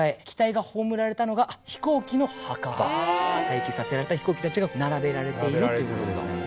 退役させられた飛行機たちが並べられているということでございます。